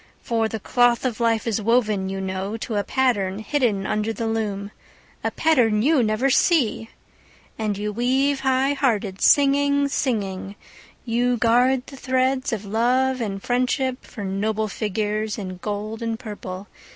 For the cloth of life is woven, you know, To a pattern hidden under the loom— A pattern you never see! And you weave high hearted, singing, singing, You guard the threads of love and friendship For noble figures in gold and purple.